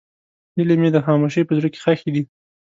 هیلې مې د خاموشۍ په زړه کې ښخې دي.